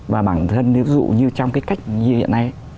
và bản thân nếu dụ như trong cái cách như thế này